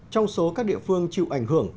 trong số các địa phương chịu ảnh hưởng